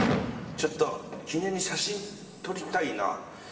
ちょっと記念に写真撮りたいなぁ。